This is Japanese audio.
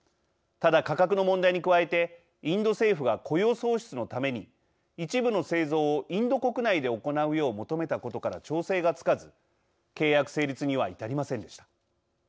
ただ価格の問題に加えてインド政府が雇用創出のために一部の製造をインド国内で行うよう求めたことから調整がつかず契約成立には至りませんでした。